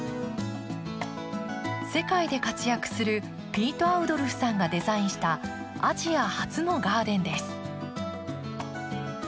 世界で活躍するピート・アウドルフさんがデザインしたアジア初のガーデンです。